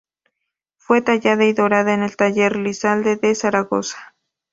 Fue tallada y dorada en el taller Lizalde de Zaragoza.